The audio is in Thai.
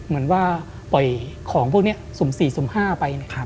เหมือนว่าปล่อยของพวกนี้สุ่ม๔สุ่ม๕ไป